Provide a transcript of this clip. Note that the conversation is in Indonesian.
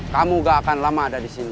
kamu gak akan lama ada di sini